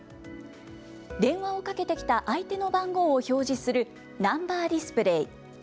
電話をかけてきた相手の番号を表示するナンバー・ディスプレイ。